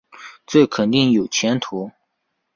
这肯定有前途